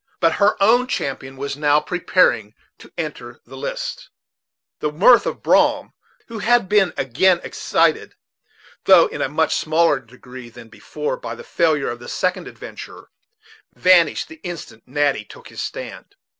But her own champion was now preparing to enter the lists. The mirth of Brom, which had been again excited, though in a much smaller degree than before, by the failure of the second adventurer, vanished the instant Natty took his stand.